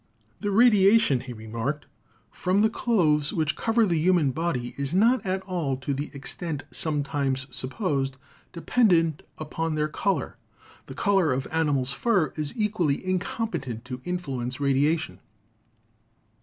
"The radiation," he remarked, "from the clothes which cover the human body is not at all, to the extent sometimes supposed, dependent on their color. The color of animals' fur is equally incompetent to influence radiation."